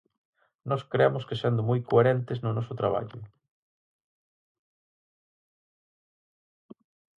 Nós cremos que sendo moi coherentes no noso traballo.